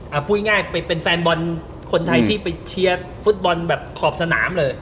เอาพูดง่ายไปเป็นแฟนบอลคนไทยที่ไปเชียร์ฟุตบอลแบบขอบสนามเลย